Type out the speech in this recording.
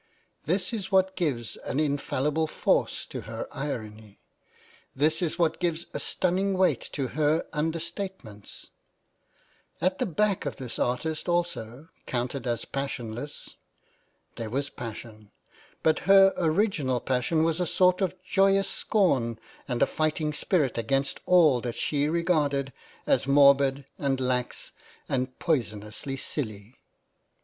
This is what gives an in fallible force to her irony JThis is what gives a stunning weight to her understatementsJKt the back of this artist also, counted as passionless, there was passion ; but her original passion was a sort of joyous scorn and a fighting spirit against all that she regarded as morbid and lax and poisonously silly.